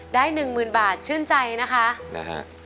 หนึ่งหมื่นบาทชื่นใจนะคะนะฮะ